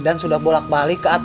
idan sudah balik ke atm